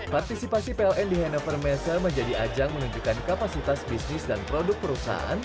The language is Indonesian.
partisipasi pln di hannover measure menjadi ajang menunjukkan kapasitas bisnis dan produk perusahaan